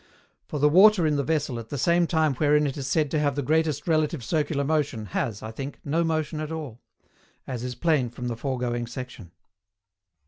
For the water in the vessel at that time wherein it is said to have the greatest relative circular motion, has, I think, no motion at all; as is plain from the foregoing section.